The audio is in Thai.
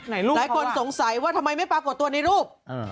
ลูกหลายคนสงสัยว่าทำไมไม่ปรากฏตัวในรูป